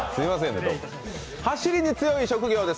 走りに強い職業です。